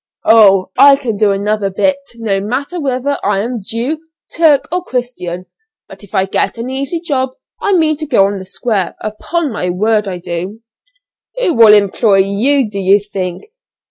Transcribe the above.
"Oh, I can do another 'bit,' no matter whether I am Jew, Turk, or Christian; but if I get an easy job I mean to go on the square, upon my word I do." "Who'll employ you, do you think?"